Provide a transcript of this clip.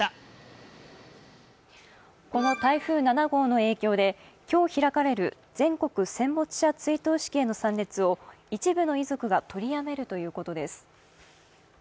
この台風７号の影響で、今日開かれる全国戦没者追悼式への参列を一部の遺族が取りやめるということです。